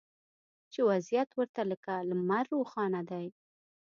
چې وضعیت ورته لکه لمر روښانه دی